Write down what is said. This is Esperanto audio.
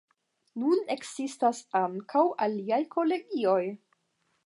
Nun ekzistas ankaŭ aliaj kolegioj.